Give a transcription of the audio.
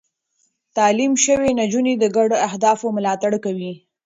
تعليم شوې نجونې د ګډو اهدافو ملاتړ کوي.